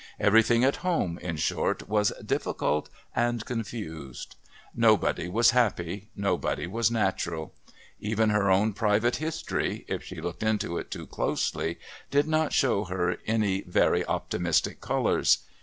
Everything at home, in short, was difficult and confused. Nobody was happy, nobody was natural. Even her own private history, if she looked into it too closely, did not show her any very optimistic colours.